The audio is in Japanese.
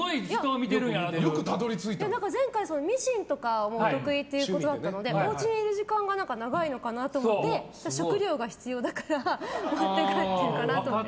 だから前回、ミシンとかもお得意ということだったのでおうちにいる時間が長いのかなと思って食料が必要だから持って帰ってるのかなって。